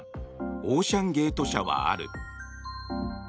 オーシャン・ゲート社はある。